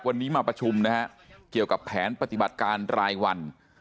วันนี้มาประชุมนะฮะเกี่ยวกับแผนปฏิบัติการรายวัน